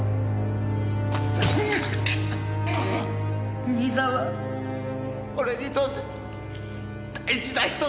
義兄さんは俺にとって大事な人だったんだ。